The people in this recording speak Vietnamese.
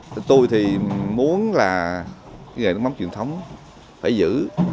thì tôi thì muốn là cái nghề nước mắm truyền thống phải giữ